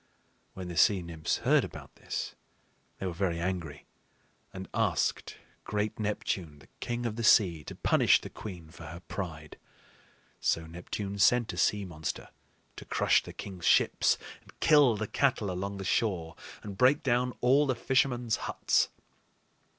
When the sea nymphs heard about this, they were very angry and asked great Neptune, the king of the sea, to punish the queen for her pride. So Neptune sent a sea monster to crush the king's ships and kill the cattle along the shore and break down all the fishermen's huts.